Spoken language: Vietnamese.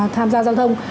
tham gia giao thông